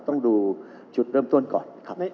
ต้องดูจุดเริ่มต้นก่อนครับ